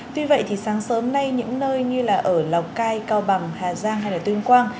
tuy vậy thì sáng sớm nay những nơi như là ở lào cai cao bằng hà giang hay là tuyên quang